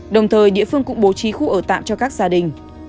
đồng thời địa phương cũng bố trí khu ở tạm cho các gia đình